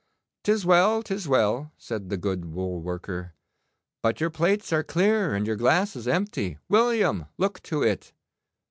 ''Tis well, 'tis well,' said the good wool worker. 'But your plates are clear and your glasses empty. William, look to it!